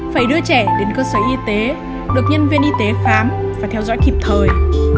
phải đưa trẻ đến cơ sở y tế được nhân viên y tế khám và theo dõi kịp thời